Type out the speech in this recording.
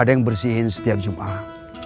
ada yang bersihin setiap jumat